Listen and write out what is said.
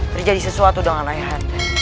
terjadi sesuatu dengan ayahnya